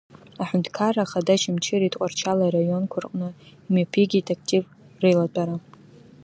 Аҳәынҭқарра Ахада Очамчыреи Тҟәарчали араионқәа рҟны имҩаԥигеит актив реилатәара.